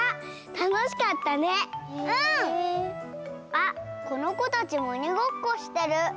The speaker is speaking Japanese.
あっこの子たちもおにごっこしてる。